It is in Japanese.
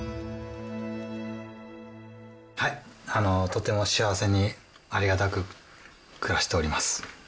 とても幸せにありがたく暮らしております。